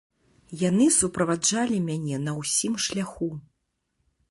Яны суправаджалі мяне на ўсім шляху.